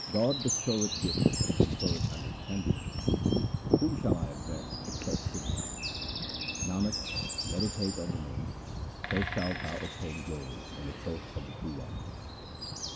God bestoweth gifts and conferreth understanding ; whom shall I address except Him ? Nanak, meditate on the Name, so shalt thou obtain glory in the court of the True One.